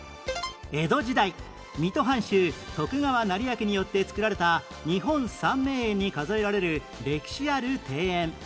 江戸時代水戸藩主徳川斉昭によって造られた日本三名園に数えられる歴史ある庭園